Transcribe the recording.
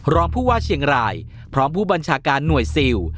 รองผู้ว่าเชียงรายพร้อมผู้บัญชาการหน่วยซิล